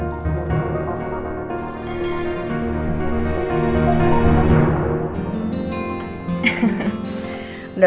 di video selanjutnya